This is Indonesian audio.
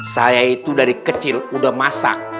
saya itu dari kecil udah masak